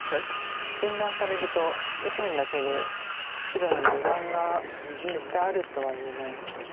分断されると右辺だけで白の２眼が絶対あるとは言えないんです。